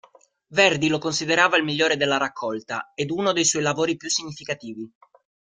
Verdi lo considerava il migliore della raccolta ed uno dei suoi lavori più significativi.